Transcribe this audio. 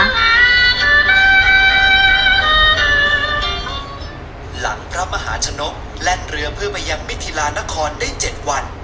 หลังพระมหาชนกแล่นเรือเพื่อมายังมิถีลานครได้๗วัน